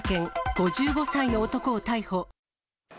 ５５歳の男を逮捕。